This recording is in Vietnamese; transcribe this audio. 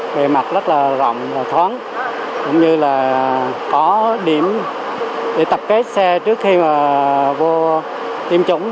về mặt rất là rộng và thoáng cũng như là có điểm để tập kết xe trước khi mà vô tiêm chủng